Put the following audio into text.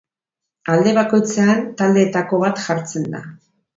Alde bakoitzean taldeetako bat jartzen da.